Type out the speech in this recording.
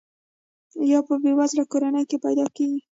یا په بې وزله کورنۍ کې پیدا کیږي.